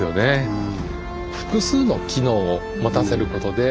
うん。